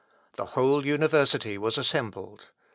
The whole university was assembled.